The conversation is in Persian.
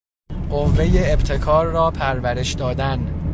قوهٔ ابتکار را پرورش دادن.